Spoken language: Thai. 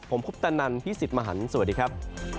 ผมคุปตะนันพี่สิทธิ์มหันฯสวัสดีครับ